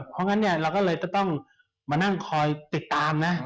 เพราะงั้นเนี่ยเราก็เลยจะต้องมานั่งคอยติดตามนะ